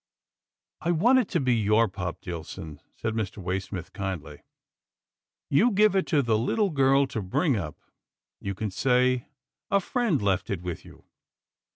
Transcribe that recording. " I want it to be your pup, Dillson," said Mr. Waysmith, kindly. " You give it to the little girl to bring up — you can say a friend left it with you.